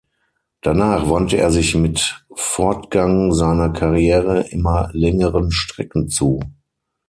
Danach wandte er sich mit Fortgang seiner Karriere immer längeren Strecken zu.